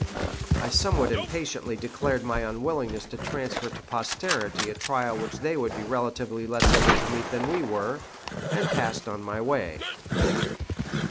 I somewhat impatiently declared my unwillingness to transfer to posterity a trial which they would be relatively less able to meet than we were, and passed on my way.